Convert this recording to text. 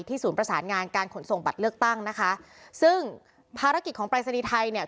ศูนย์ประสานงานการขนส่งบัตรเลือกตั้งนะคะซึ่งภารกิจของปรายศนีย์ไทยเนี่ย